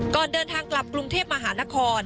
ก่อนเดินทางกลับกรุงเทพมหานคร